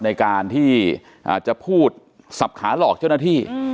ในการที่จะพูดสับขาหลอกเจ้าหน้าที่